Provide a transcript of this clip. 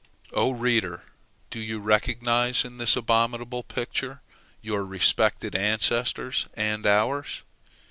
Oh, reader, do you recognize in this abominable picture your respected ancestors and ours?